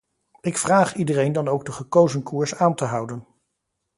Ik vraag iedereen dan ook de gekozen koers aan te houden.